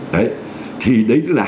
đấy thì đấy là